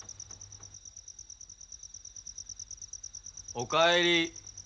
おかえり。